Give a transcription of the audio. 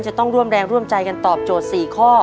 จะต้องร่วมแรงร่วมใจกันตอบโจทย์๔ข้อ